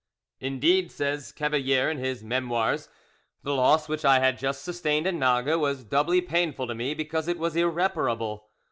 "Indeed," says Cavalier in his Memoirs, "the loss which I had just sustained at Nages was doubly painful to me because it was irreparable.